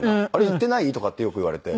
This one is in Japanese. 行ってない？」とかってよく言われて。